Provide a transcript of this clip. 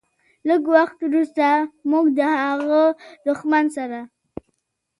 لږ وخت وروسته موږ له هغه دښمن سره.